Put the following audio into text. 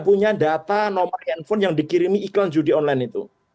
punya data nomor handphone yang dikirimi iklan judi online itu